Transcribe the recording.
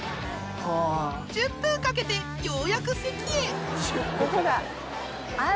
１０分かけてようやく席へここだ。